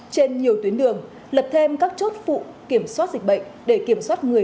trên nhiều tuyến đường lập thêm các chốt phụ kiểm soát dịch bệnh để kiểm soát người